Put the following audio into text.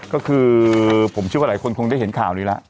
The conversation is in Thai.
ก็คือผมเชื่อว่าหลายคนคงได้เห็นข่าวนี้แล้ว